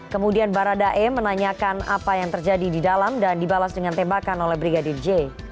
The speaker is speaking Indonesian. kemudian baradae menanyakan apa yang terjadi di dalam dan dibalas dengan tembakan oleh brigadir j